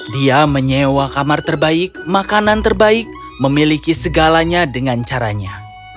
dia menyewa kamar terbaik makanan terbaik memiliki segalanya dengan caranya